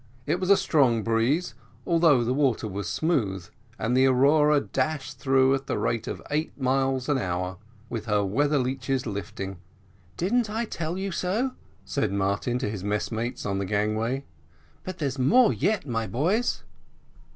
It was a strong breeze, although the water was smooth, and the Aurora dashed through at the rate of eight miles an hour, with her weather leeches lifting. "Didn't I tell you so?" said Martin to his mess mates on the gangway; "but there's more yet, my boys."